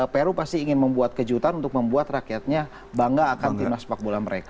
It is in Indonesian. peru pasti ingin membuat kejutan untuk membuat rakyatnya bangga akan timnas portugal